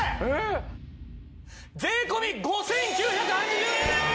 税込５９８０円です！